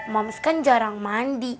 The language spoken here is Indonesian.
moms kan jarang mandi